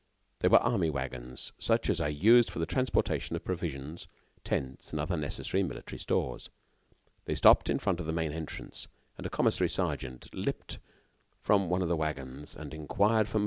They were army wagons, such as are used for the transportation of provisions, tents, and other necessary military stores. They stopped in front of the main entrance, and a commissary sergeant leaped from one of the wagons and inquired for Mon.